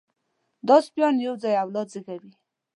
دا سپيان یو ځای اولاد زېږوي.